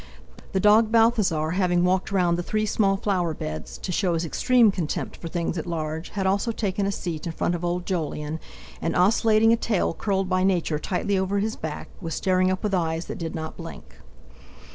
The dog Balthasar, having walked round the three small flower beds, to show his extreme contempt for things at large, had also taken a seat in front of old Jolyon, and, oscillating a tail curled by Nature tightly over his back, was staring up with eyes that did not blink.